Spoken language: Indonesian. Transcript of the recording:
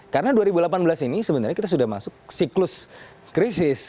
karena dua ribu delapan belas ini sebenarnya kita sudah masuk siklus krisis